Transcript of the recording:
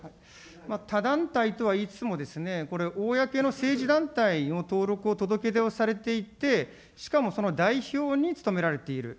他団体とは言いつつも、これ、公の政治団体の登録を届け出をされていて、しかもその代表に務められている。